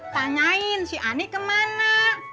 tanyain si ani kemana